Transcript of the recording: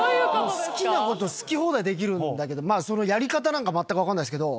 好きなこと好き放題できるんだけどそのやり方なんか全く分かんないですけど。